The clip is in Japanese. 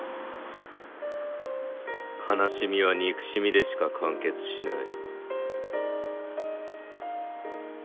悲しみは憎しみでしか完結しない。